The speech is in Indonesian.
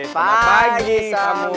selamat pagi samuel